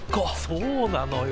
そうなのよ。